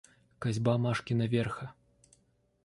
Косьба Машкина Верха.